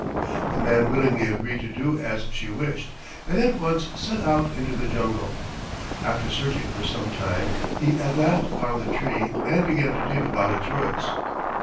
The man willingly agreed to do as she wished and at once set out into the jungle. After searching for some time he at last found the tree and began to dig about its roots.